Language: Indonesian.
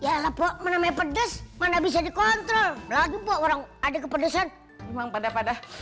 ya lah pok menambah pedes mana bisa dikontrol lagi orang ada kepedesan memang pada pada